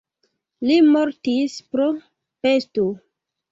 Li mortis pro pesto.